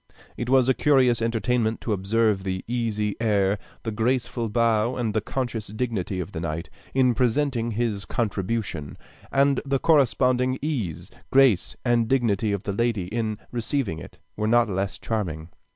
It was a curious entertainment to observe the easy air, the graceful bow, and the conscious dignity of the knight, in presenting his contribution; and the corresponding ease, grace, and dignity of the lady, in receiving it, were not less charming.